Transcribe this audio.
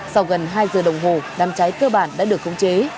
sau gần hai giờ đồng hồ đám cháy cơ bản đã được khống chế